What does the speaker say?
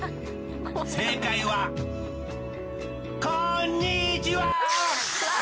正解は、こんにちは！